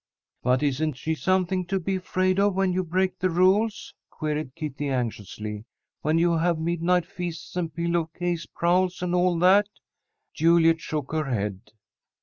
"But isn't she something to be afraid of when you break the rules?" queried Kitty, anxiously. "When you have midnight feasts and pillow case prowls and all that?" Juliet shook her head.